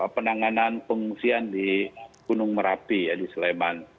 penanganan pengungsian di gunung merapi di sleman